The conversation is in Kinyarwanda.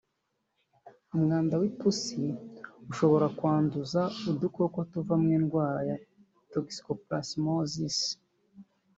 umwanda w’ipusi ushobora kwanduza udukoko tuvamo indwara ya toxoplasmosis